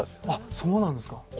ああそうなんですか。